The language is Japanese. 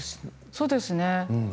そうですね